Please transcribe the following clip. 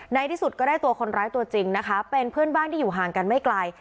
ที่สุดก็ได้ตัวคนร้ายตัวจริงนะคะเป็นเพื่อนบ้านที่อยู่ห่างกันไม่ไกล